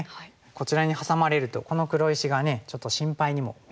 こちらにハサまれるとこの黒石がちょっと心配にも見えるんですが。